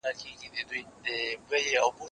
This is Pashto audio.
زه مېوې نه راټولوم.